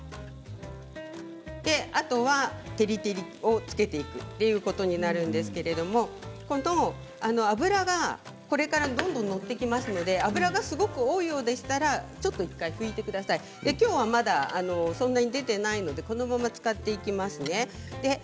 あとは照り照りをつけていくということになるんですけどこの脂がこれからどんどん載ってきますので油がすごく多いようでしたら、ちょっと１回見てください。今日はまだそんなに出ていないのでこのまま使っていきますね。